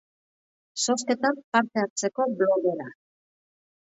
Zozketan parte hartzeko blogera.